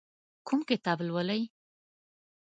کوم کتاب لولئ؟